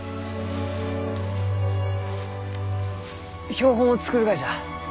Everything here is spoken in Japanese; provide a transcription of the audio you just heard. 標本を作るがじゃ！